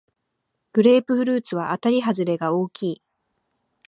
グレープフルーツはあたりはずれが大きい